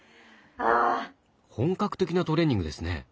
本格的なトレーニングですね。